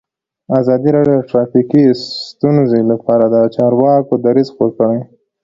ازادي راډیو د ټرافیکي ستونزې لپاره د چارواکو دریځ خپور کړی.